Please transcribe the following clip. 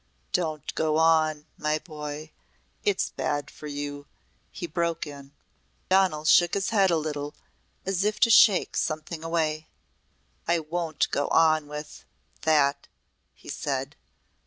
"Don't go on, my boy. It's bad for you," he broke in. Donal shook his head a little as if to shake something away. "I won't go on with that," he said.